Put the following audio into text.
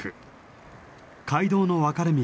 街道の分かれ道